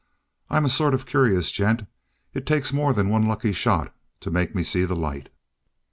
"I'm a sort of curious gent. It takes more than one lucky shot to make me see the light."